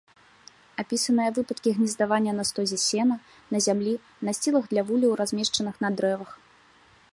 Апісаныя выпадкі гнездавання на стозе сена, на зямлі, насцілах для вулляў, размешчаных на дрэвах.